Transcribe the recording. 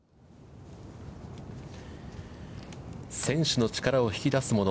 選手の力を引き出すもの